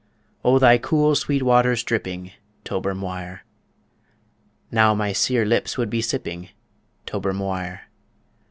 O thy cool, sweet waters dripping, Tober Mhuire, Now my sere lips would be sipping, Tober Mhuire.